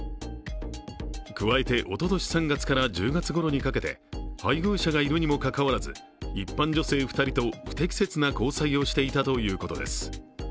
加えておととし３月から１０月ごろにかけて、配偶者がいるにもかかわらず、一般女性２人と不適切な交際をしていたということです。